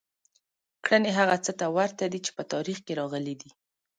کړنې هغه څه ته ورته دي چې په تاریخ کې راغلي دي.